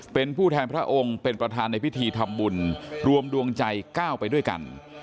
เป็นผู้แทนพระองค์เป็นประธานในพิธีทำบุญรวมดวงใจก้าวไปด้วยกัน